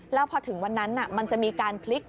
แล้วพอถึงวันนั้นมันจะมีการพลิก